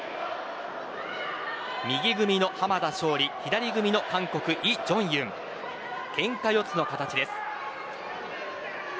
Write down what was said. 右組みの濱田尚里左組みの韓国イ・ジョンユンケンカ四つの形です。